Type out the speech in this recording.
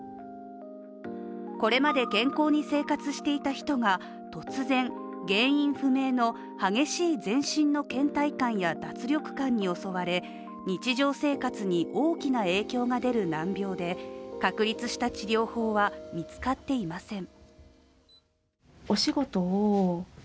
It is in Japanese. これまで健康に生活していた人が突然、原因不明の激しい全身のけん怠感や脱力感に襲われ、日常生活に大きな影響が出る難病で確立した治療法は見つかっていません。